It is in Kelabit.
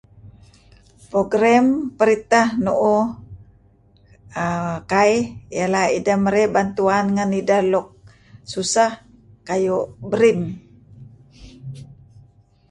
Program peritah nu'uh err kaih ialah ideh merey bantuan ngan ideh luk susah kayu' BRIM